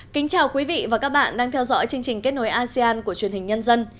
kính chào quý vị và các bạn đang theo dõi chương trình kết nối asean của truyền hình nhân dân